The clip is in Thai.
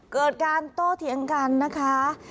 เกิดการโตเถียงกันนะคะ